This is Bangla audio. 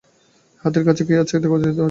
হাতের কাছে কী আছে, কী দেওয়া যায়।